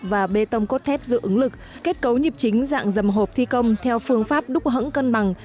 và bê tông cốt thép giữ ứng lực kết cấu nhịp chính dạng dầm hộp thi công theo phương pháp đúc hẳng cân bằng